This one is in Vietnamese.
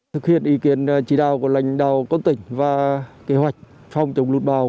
thực hiện ý kiến chỉ đạo của lãnh đạo con tỉnh và kế hoạch phòng chống lụt bào